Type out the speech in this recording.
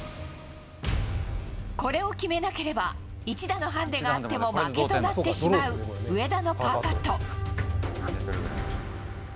これを決めなければ、１打のハンデがあっても負けとなってしまう上田のパーパット。